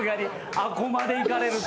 あっこまでいかれると。